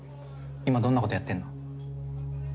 今どんなことやってんの？